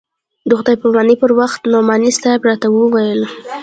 د خداى پاماني پر وخت نعماني صاحب راته وويل.